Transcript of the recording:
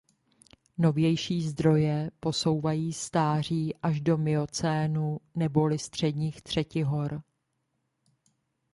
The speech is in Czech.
Novější zdroje posouvají stáří až do miocénu neboli středních třetihor.